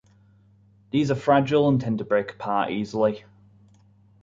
These are fragile and tend to break apart easily.